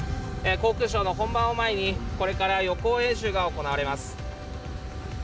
航空ショーの本番を前にこれから予行演習が行われます。